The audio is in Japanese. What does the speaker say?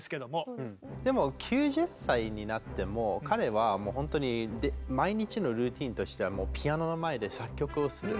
でも９０歳になっても彼はもう本当に毎日のルーチンとしてはピアノの前で作曲をする。